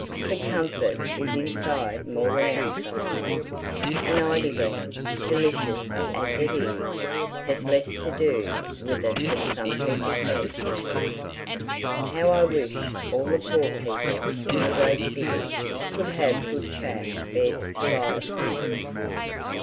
For comfort is inside more than outside; and eider down, delicious as it is, has less to do with it than some people fancy. How I wish all the poor people in the great cities could have good chaff beds to lie upon!